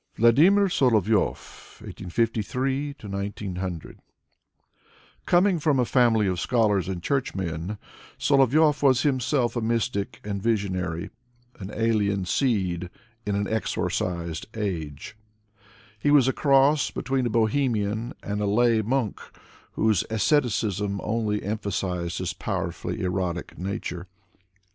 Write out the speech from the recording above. Vladimir Solovyov (1853 1900) Coming from a family of scholars and churchmen, Solovyov was himself a mystic and visionary: an alien seed in an exor cised age. He was a cross between a Bohemian and a lay monk, whose asceticism only emphasized his powerfully erotic nature.